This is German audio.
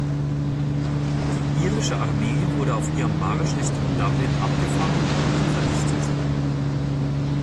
Die irische Armee wurden auf ihrem Marsch Richtung Dublin abgefangen und vernichtet.